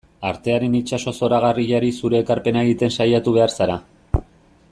Artearen itsaso zoragarriari zure ekarpena egiten saiatu behar zara.